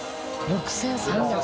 ６３００。